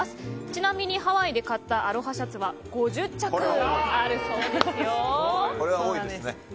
ちなみにハワイで買ったアロハシャツは５０着あるそうですよ。